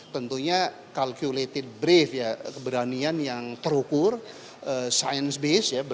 tentunya calculated brief ya keberanian yang terukur science base ya